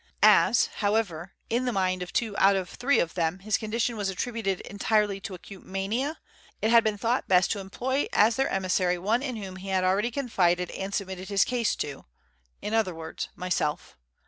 As, however, in the mind of two out of three of them his condition was attributed entirely to acute mania, it had been thought best to employ as their emissary one in whom he had already confided and submitted his case to, in other words, myself.